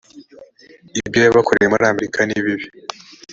ibyo yabakoreye muri amerika nibibi